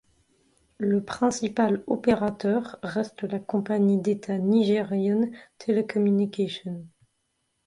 Le principal opérateur reste la compagnie d'État Nigerian Telecommunications Ltd.